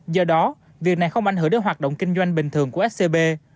do đó việc này không ảnh hưởng đến hoạt động kinh doanh bình thường của scb